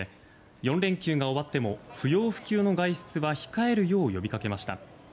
４連休が終わっても不要不急の外出は控えるよう呼びかけました。